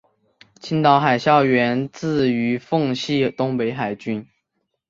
青岛海校源自于奉系东北海军。